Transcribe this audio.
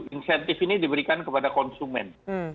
insentif ini diberikan kepada konsumen